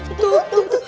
itu itu itu